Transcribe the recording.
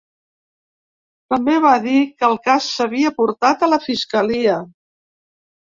També va dir que el cas s’havia portat a la fiscalia.